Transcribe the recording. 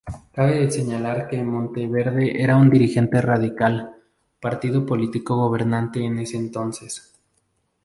Cabe señalar que Monteverde era un dirigente radical, partido político gobernante en ese entonces.